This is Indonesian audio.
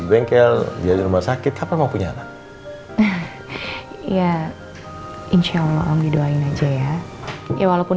bengkel biar rumah sakit apa mau punya anak ya insyaallah om di doain aja ya ya walaupun